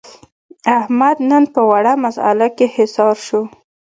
احمد نن په وړه مسعله کې حصار شو.